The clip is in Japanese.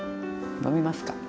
飲みますか？